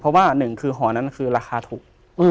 เพราะว่าหนึ่งคือหอนั้นคือราคาถูก